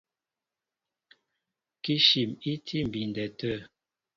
Kíshim í tí á mbindɛ tê.